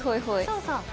そうそう。